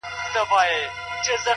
• د اخترونو د جشنونو شالمار خبري,